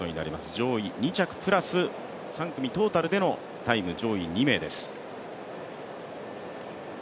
上位２着プラス３組トータルでのタイム上位２名です。